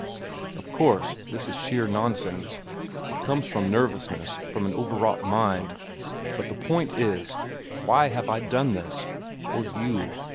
"Of course, this is sheer nonsense. It comes from nervousness, from an overwrought mind. But the point is: Why have I done this? For you.